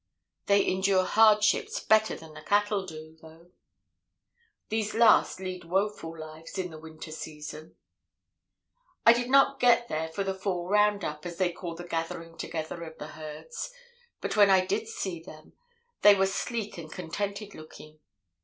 They endure hardships better than the cattle do, though. These last lead woeful lives in the winter season. "I did not get there for the fall 'round up,' as they call the gathering together of the herds; but when I did see them they were sleek and contented looking.